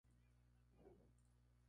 Los personajes se separan otra vez.